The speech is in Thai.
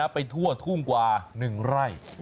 ไปทั่วทุ่งกว่า๑ไร่